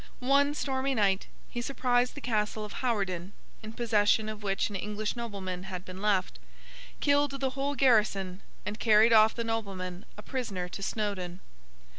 One stormy night, he surprised the Castle of Hawarden, in possession of which an English nobleman had been left; killed the whole garrison, and carried off the nobleman a prisoner to Snowdon.